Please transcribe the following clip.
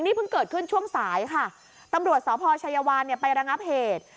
เพิ่งเกิดขึ้นช่วงสายค่ะตำรวจสพชัยวานเนี่ยไประงับเหตุ